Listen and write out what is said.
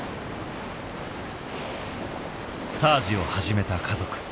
サージを始めた家族。